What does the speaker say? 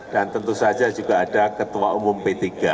dan tentu saja juga ada ketua umum p tiga